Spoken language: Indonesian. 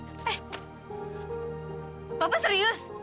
eh bapak serius